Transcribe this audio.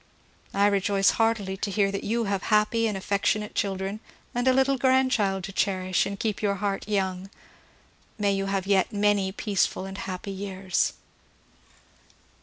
I rejoice heartily to hear that you have happy and affec tionate children, and a little grandchild to cherish and keep your heart young. May you have yet many peaceful and happy years!